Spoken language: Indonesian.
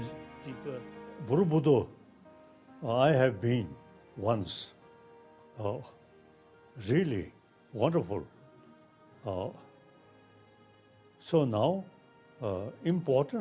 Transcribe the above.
saya percaya kekaguman penting tapi yang benar benar penting adalah kekaguman dalam hati kita